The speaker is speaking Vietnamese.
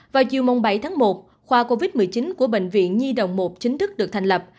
vào chiều mông bảy tháng một khoa covid một mươi chín của bệnh viện nhi đồng một chính thức được thành lập